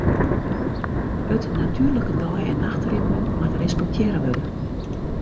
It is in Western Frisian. It natuerlike dei- en nachtritme moat respektearre wurde.